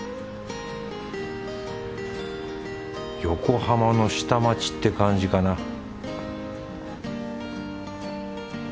横浜の下町って感じかな